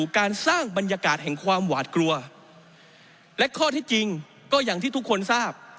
ก็อย่างที่ทุกคนทราบ